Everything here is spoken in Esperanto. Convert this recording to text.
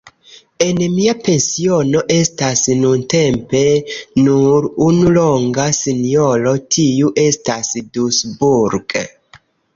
En mia pensiono estas nuntempe nur unu longa sinjoro, tiu estas Dusburg.